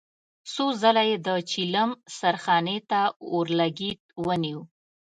څو ځله يې د چيلم سرخانې ته اورلګيت ونيو.